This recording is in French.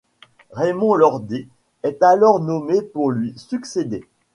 Raymond Lordet est alors nommé pour lui succéder.